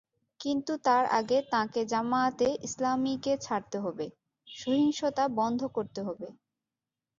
কিন্তু তার আগে তাঁকে জামায়াতে ইসলামীকে ছাড়তে হবে, সহিংসতা বন্ধ করতে হবে।